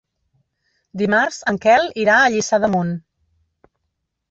Dimarts en Quel irà a Lliçà d'Amunt.